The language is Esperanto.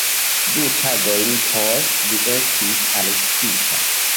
Du tagojn poste, li estis arestita.